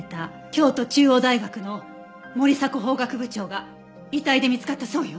京都中央大学の森迫法学部長が遺体で見つかったそうよ。